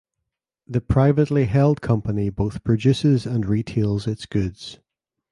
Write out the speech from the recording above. The privately held company both produces and retails its goods.